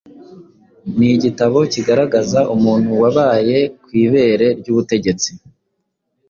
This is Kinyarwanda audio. Ni igitabo kigaragaza umuntu wabaye ku ibere ry'ubutegetsi